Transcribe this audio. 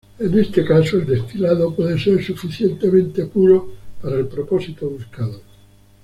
En este caso, el destilado puede ser suficientemente puro para el propósito buscado.